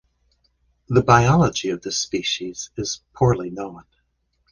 The biology of this species is poorly known.